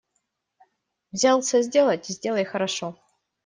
Взялся сделать – сделай хорошо.